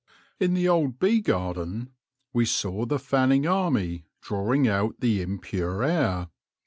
In the old bee garden we saw the fanning army drawing out the impure air.